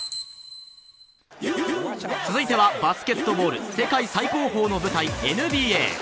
続いてはバスケットボール、世界最高峰の舞台ＮＢ。